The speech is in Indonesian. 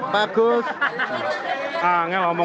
pak ipul pak ipul mas